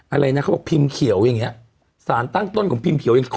อะไรนะเขาบอกพิมพ์เขียวอย่างเงี้ยสารตั้งต้นของพิมพ์เขียวยัง